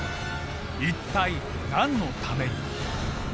一体何のために？